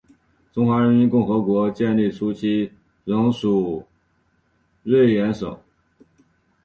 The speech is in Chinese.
中华人民共和国建立初期仍属绥远省。